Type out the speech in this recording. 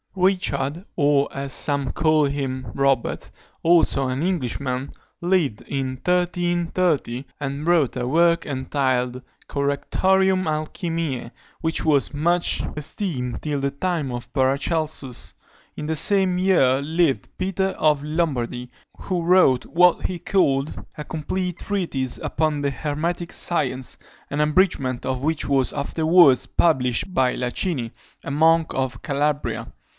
Richard, or, as some call him, Robert, also an Englishman, lived in 1330, and wrote a work entitled Correctorium Alchymiæ, which was much esteemed till the time of Paracelsus. In the same year lived Peter of Lombardy, who wrote what he called a Complete Treatise upon the Hermetic Science, an abridgment of which was afterwards published by Lacini, a monk of Calabria.